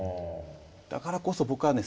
だからこそ僕はね